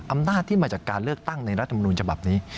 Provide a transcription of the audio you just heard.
อำนาจที่มาจากการเลือกตั้งในรัฐมนูญฉบับนี้